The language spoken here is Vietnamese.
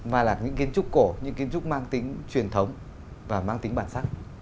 mà là những kiến trúc cổ những kiến trúc mang tính truyền thống và mang tính bản sắc